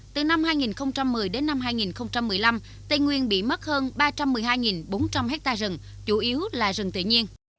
từ năm hai nghìn một mươi đến năm hai nghìn một mươi năm tây nguyên bị mất hơn ba trăm một mươi hai bốn trăm linh hectare rừng chủ yếu là rừng tự nhiên